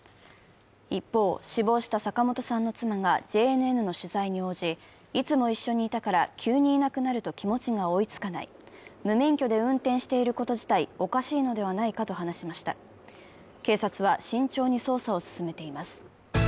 一方、死亡した坂本さんの妻がＪＮＮの取材に応じ、いつも一緒にいたから、急にいなくなると気持ちが追いつかない、無免許で運転していること自体おかしいのではないかと「Ｓｕｎトピ」です。